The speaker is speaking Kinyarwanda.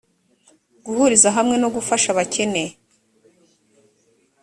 guhuriza hamwe no gufasha abakene